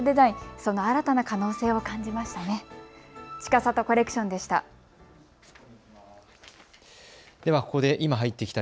その新たな可能性を感じました。